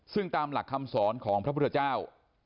ซึ่งตามหลักคำสอนของพระพุทธเจ้า